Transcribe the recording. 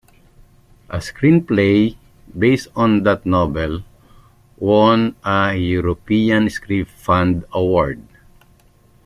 A screenplay based on that novel won a European Script Fund Award.